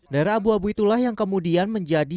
darah abu abu itulah yang kemudian menjadi